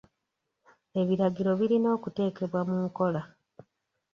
Ebiragiro birina okuteekebwa mu nkola.